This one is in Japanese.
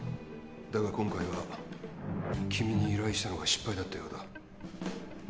だが今回は君に依頼したのが失敗だったようだ。